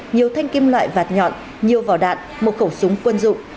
nhiều thanh kim loại vạt nhọn nhiều vỏ đạn một khẩu súng quân dụng